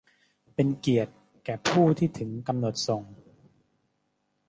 เป็นเกียรติแก่ผู้ที่ถึงกำหนดส่ง !